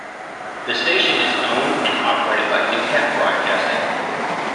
The station is owned and operated by Newcap Broadcasting.